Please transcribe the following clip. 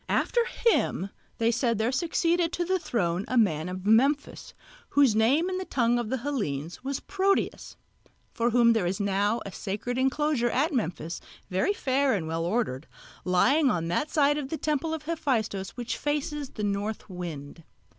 After him, they said, there succeeded to the throne a man of Memphis, whose name in the tongue of the Hellenes was Proteus; for whom there is now a sacred enclosure at Memphis, very fair and well ordered, lying on that side of the temple of Hephaistos which faces the North Wind.